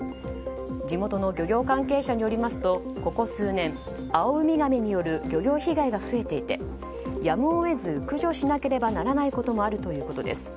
地元の漁業関係者によりますとここ数年アオウミガメによる漁業被害が増えていてやむを得ず駆除しなければならないことがあるということです。